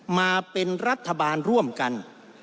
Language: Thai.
มาเป็นรัฐบาลร่วมกัน